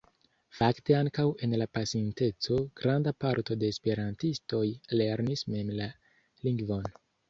Fakte ankaŭ en la pasinteco granda parto de esperantistoj lernis mem la lingvon.